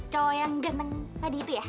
cowok yang geneng tadi itu ya